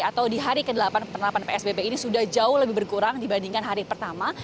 atau di hari ke delapan penerapan psbb ini sudah jauh lebih berkurang dibandingkan hari pertama